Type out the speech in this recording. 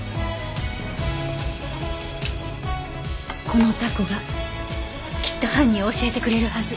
このタコがきっと犯人を教えてくれるはず。